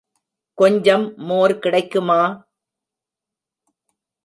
கொஞ்சம் மோர் கிடைக்குமா?